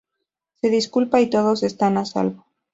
Se disculpa y todos están a salvo.